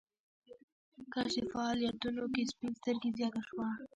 کله چې په فعاليتونو کې سپين سترګي زياته شوه.